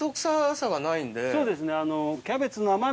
そうですね。